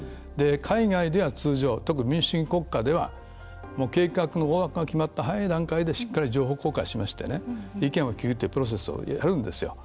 海外では通常特に民主主義国家では計画の大枠が決まった早い段階でしっかり情報公開しましてね意見を聞くというプロセスをやるんですよ。